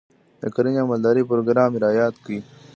د کرنې او مالدارۍ پروګرام رایاد کړ.